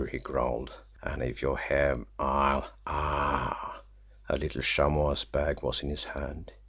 he growled; "and if you have I'll ah!" A little chamois bag was in his hand.